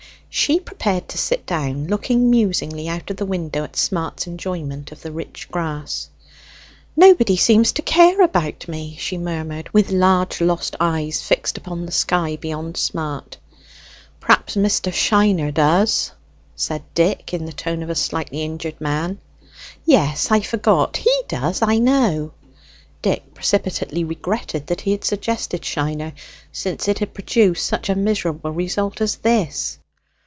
She prepared to sit down, looking musingly out of the window at Smart's enjoyment of the rich grass. "Nobody seems to care about me," she murmured, with large lost eyes fixed upon the sky beyond Smart. "Perhaps Mr. Shiner does," said Dick, in the tone of a slightly injured man. "Yes, I forgot he does, I know." Dick precipitately regretted that he had suggested Shiner, since it had produced such a miserable result as this.